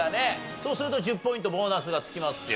そうすると１０ポイントボーナスが付きますよ。